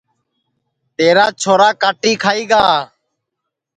تیرا چھورا کاٹی کھائی گا